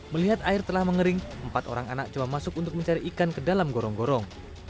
melihat air telah mengering empat orang anak coba masuk untuk mencari ikan ke dalam gorong gorong